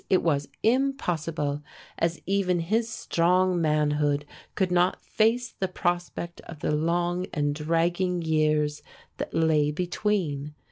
it was impossible, as even his strong manhood could not face the prospect of the long and dragging years that lay between.